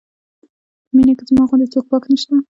په مینه کې زما غوندې څوک پاک نه شته.